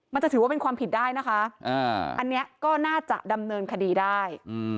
มันจะถือว่าเป็นความผิดได้นะคะอันนี้ก็น่าจะดำเนินคดีได้